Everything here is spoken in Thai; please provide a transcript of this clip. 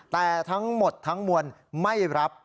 แต่ทั้งหมดทั้งมวลไม่รับ